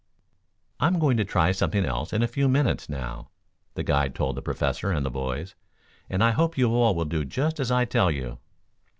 "I'm going to try something else in a few minutes, now," the guide told the Professor and the boys, "and I hope you all will do just as I tell you."